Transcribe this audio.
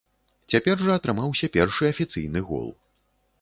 Цяпер жа атрымаўся першы афіцыйны гол.